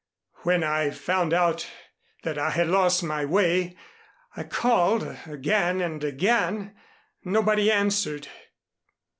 When I found that I had lost my way, I called again and again. Nobody answered.